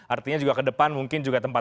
artinya juga ke depan mungkin juga tempat